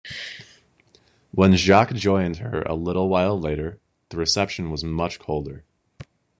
When Jacques joined her a little while later, the reception was much colder.